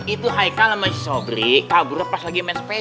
itu haikal sama sobri kabur pas lagi main sepeda